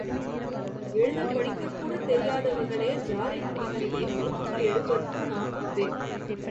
எழுதப் படிக்க கூடத் தெரியாதவர்களே ஜாரின் குடிகளிலே நூற்றுக் எழுபத்து நான்கு பேர்.